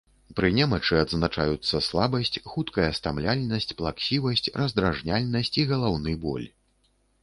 Пры немачы адзначаюцца слабасць, хуткая стамляльнасць, плаксівасць, раздражняльнасць і галаўны боль.